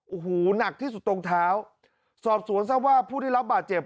โอ้โหหนักที่สุดตรงเท้าสอบสวนทราบว่าผู้ได้รับบาดเจ็บ